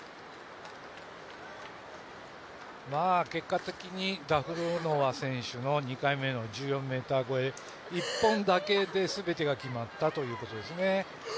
結果的に、ダフロノワ選手の２回目の１４ｍ越え一本だけで全てが決まったということですね。